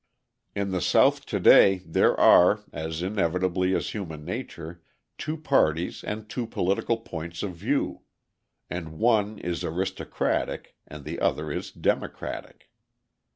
In the South to day there are, as inevitably as human nature, two parties and two political points of view. And one is aristocratic and the other is democratic.